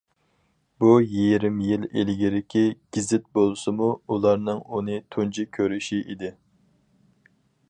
بۇ يېرىم يىل ئىلگىرىكى گېزىت بولسىمۇ، ئۇلارنىڭ ئۇنى تۇنجى كۆرۈشى ئىدى.